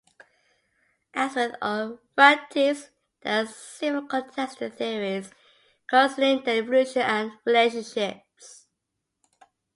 As with all ratites, there are several contested theories concerning their evolution and relationships.